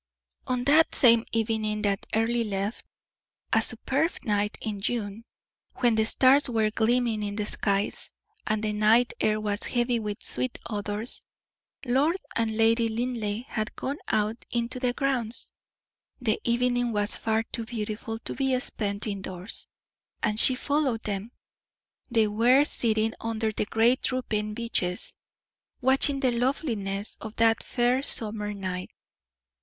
On that same evening that Earle left, a superb night in June, when the stars were gleaming in the skies, and the night air was heavy with sweet odors, Lord and Lady Linleigh had gone out into the grounds. The evening was far too beautiful to be spent indoors, and she followed them. They were sitting under the great drooping beeches, watching the loveliness of that fair summer night.